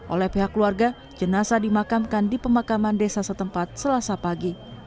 oleh pihak keluarga jenazah dimakamkan di pemakaman desa setempat selasa pagi